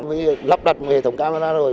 với lắp đặt hệ thống camera rồi